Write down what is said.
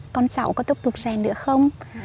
con cháu có tục tục rèn nữa không